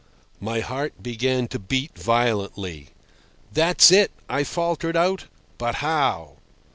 My heart began to beat violently. "That's it," I faltered out. "But how?"